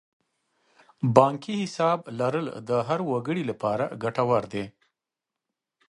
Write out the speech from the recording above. بانکي حساب لرل د هر وګړي لپاره ګټور دی.